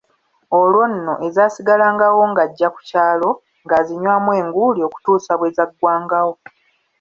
Olwo nno ezaasigalangawo ng'ajja ku kyalo ng'azinywamu enguuli okutuusa bwe zaggwangawo.